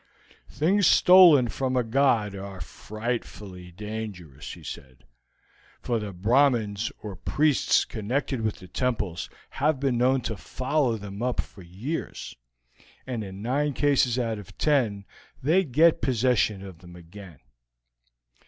"'Things stolen from a god are frightfully dangerous,' he said, 'for the Brahmins or priests connected with the temples have been known to follow them up for years, and in nine cases out of ten they get possession of them again.